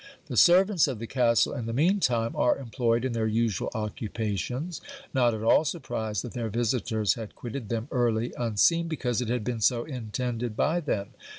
The servants of the castle in the mean time are employed in their usual occupations, not at all surprised that their visitors had quitted them early unseen, because it had been so intended by them.